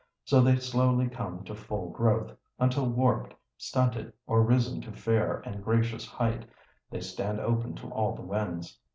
So they slowly come to full growth, until warped, stunted, or risen to fair and gracious height, they stand open to all the winds.